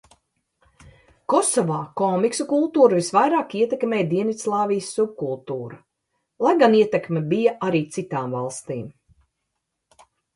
Kosovā komiksu kultūru visvairāk ietekmēja Dienvidslāvijas subkultūra, lai gan ietekme bija arī citām valstīm.